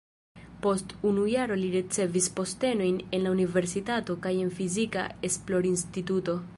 Post unu jaro li ricevis postenojn en la universitato kaj en fizika esplorinstituto.